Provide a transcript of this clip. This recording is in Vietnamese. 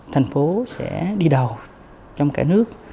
thành phố sẽ đi đầu trong cả nước